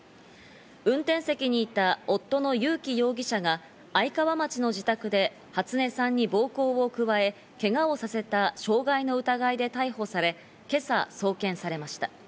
運転席にいた夫の裕樹容疑者が愛川町の自宅で初音さんに暴行を加え、けがをさせた傷害の疑いで逮捕され、今朝送検されました。